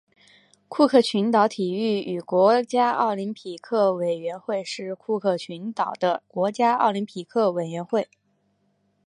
库克群岛体育与国家奥林匹克委员会是库克群岛的国家奥林匹克委员会。